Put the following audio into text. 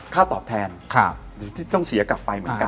ค่าตอบแทนหรือที่ต้องเสียกลับไปเหมือนกัน